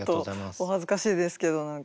ちょっとお恥ずかしいですけど何か。